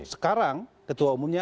sekarang ketua umumnya